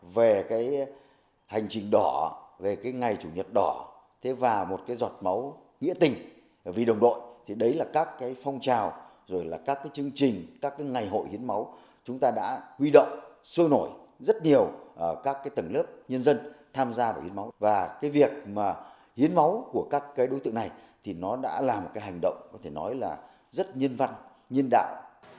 về cái hành trình đỏ về cái ngày chủ nhật đỏ và một cái giọt máu nghĩa tình vì đồng đội thì đấy là các cái phong trào rồi là các cái chương trình các cái ngày hội hiến máu chúng ta đã huy động sôi nổi rất nhiều các cái tầng lớp nhân dân tham gia vào hiến máu và cái việc mà hiến máu của các cái đối tượng này thì nó đã là một cái hành động có thể nói là rất nhân văn nhân đạo